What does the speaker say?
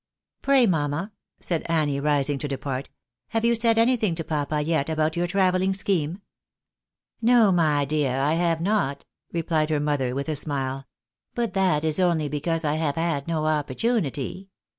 " Pray, mamma," said Annie, rising to depart, " have you said anything to papa yet about your travelling scheme ?"" No, my dear, I have not," replied her mother, with a smile ;" but that is only because I have had no opportunity.